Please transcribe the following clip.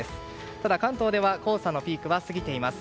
ただ、関東では黄砂のピークは過ぎています。